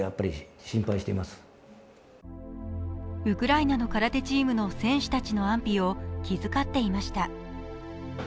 ウクライナの空手チームの選手たちの安否を気遣っていました。